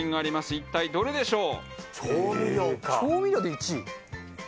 一体どれでしょう？